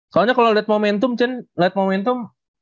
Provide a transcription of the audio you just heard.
soalnya kalau liat momentum cun liat momentum